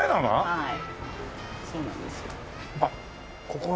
はい。